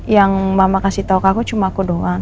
yang mama kasih tahu ke aku cuma aku doang